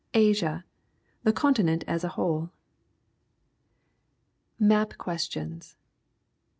ASIA THE COXTIXEXT AS A WHOLE Map Questions.